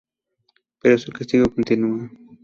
Pero su castigo continúa.